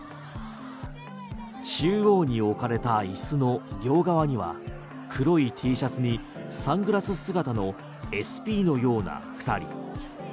中央に置かれた椅子の両側には黒いＴシャツにサングラス姿のＳＰのような２人。